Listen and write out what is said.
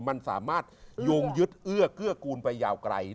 มันสามารถโยงยึดเอื้อเกื้อกูลไปยาวไกล